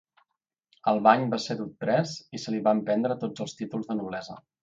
Albany va ser dut pres i se li van prendre tots els títols de noblesa.